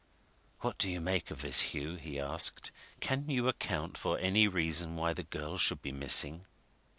"What do you make of this, Hugh?" he asked. "Can you account for any reason why the girl should be missing?"